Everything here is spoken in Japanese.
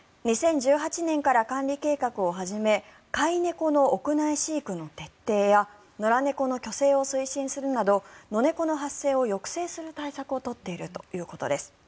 ２０１８年から管理計画を始め飼い猫の屋内飼育の徹底や野良猫の去勢を推進するなどノネコの発生を抑制する対策を取っているということです。